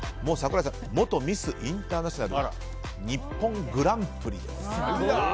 櫻井さんは元ミスインターナショナル日本グランプリと。